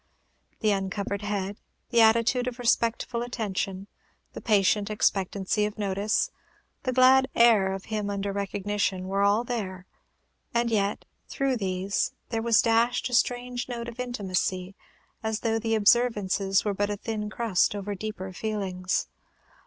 The uncovered head, the attitude of respectful attention, the patient expectancy of notice, the glad air of him under recognition, were all there; and yet, through these, there was dashed a strange tone of intimacy, as though the observances were but a thin crust over deeper feelings.